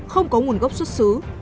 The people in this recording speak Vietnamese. không có nguồn gốc xuất xứ